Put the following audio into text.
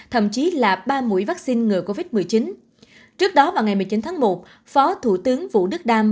thậm chí là ba mũi vaccine ngừa covid một mươi chín trước đó vào ngày một mươi chín tháng một phó thủ tướng vũ đức đam